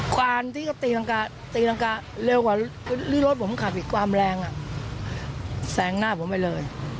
การที่ก็ตีรังกาตีรังกาเร็วกว่ารถผมขับอีกความแรงอ่ะแสงหน้าผมไปเลย